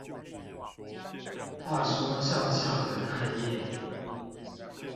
話說上下的概念